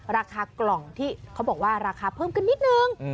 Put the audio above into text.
ราคากล่องที่เขาบอกว่าราคาเพิ่มขึ้นนิดนึง